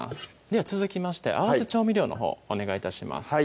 では続きまして合わせ調味料のほうお願いします